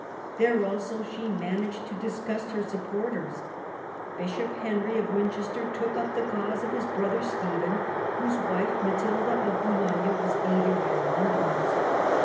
There also she managed to disgust her supporters. Bishop Henry of Winchester took up the cause of his brother Stephen, whose wife, Matilda of Boulogne, was aided by the Londoners.